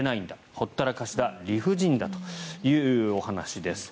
ほったらかしだ理不尽だというお話です。